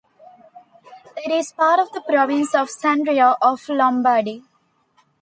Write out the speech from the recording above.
It is part of the province of Sondrio of Lombardy.